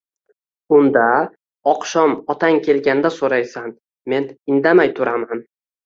Unda oqshom otang kelganda so'raysan. Men indamay turaman.